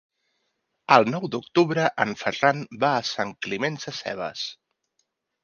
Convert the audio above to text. El nou d'octubre en Ferran va a Sant Climent Sescebes.